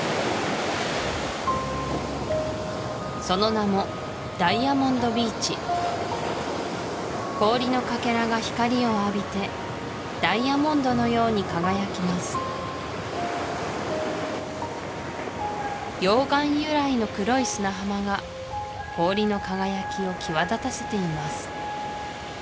その名も氷のかけらが光を浴びてダイヤモンドのように輝きます溶岩由来の黒い砂浜が氷の輝きを際立たせています